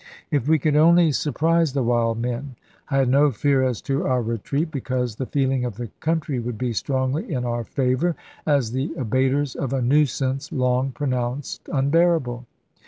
If we could only surprise the wild men, I had no fear as to our retreat, because the feeling of the country would be strongly in our favour, as the abaters of a nuisance long pronounced unbearable.